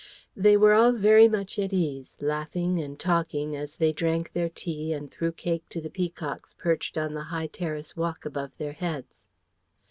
They were all very much at ease, laughing and talking as they drank their tea and threw cake to the peacocks perched on the high terrace walk above their heads.